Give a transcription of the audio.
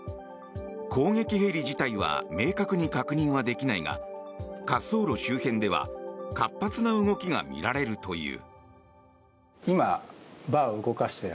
攻撃ヘリ自体は明確に確認はできないが滑走路周辺では活発な動きがみられるという。